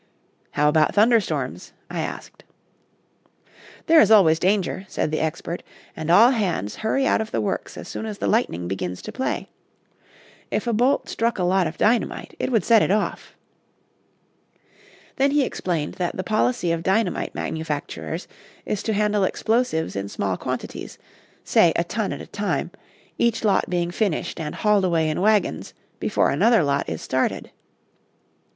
"How about thunder storms?" I asked. "There is always danger," said the expert, "and all hands hurry out of the works as soon as the lightning begins to play. If a bolt struck a lot of dynamite it would set it off." Then he explained that the policy of dynamite manufacturers is to handle explosives in small quantities, say a ton at a time, each lot being finished and hauled away in wagons before another lot is started.